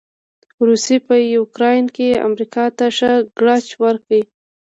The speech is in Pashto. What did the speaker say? روسې په يوکراين کې امریکا ته ښه ګړچ ورکړ.